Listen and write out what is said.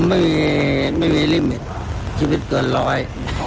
ไม่มีไม่มีลิมิตชีวิตเกินร้อย